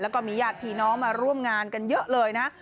แล้วก็มีญาติพี่น้องมาร่วมงานกันเยอะเลยนะ